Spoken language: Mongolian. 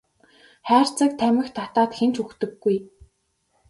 Хайрцаг тамхи татаад хэн ч үхдэггүй.